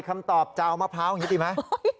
คำตอบจะเอามะพร้าวอย่างนี้ดีไหม